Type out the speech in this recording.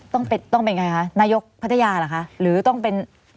ต้องเป็นยังไงคะนายกพัทยาหรือต้องเป็น